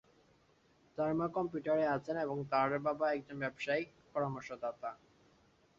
তার মা কম্পিউটারে আছেন, এবং তার বাবা একজন ব্যবসায়িক পরামর্শদাতা।